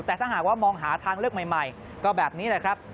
แต่ถ้าหากว่ามองหาทางเลือกใหม่ก็แบบนี้แหละครับ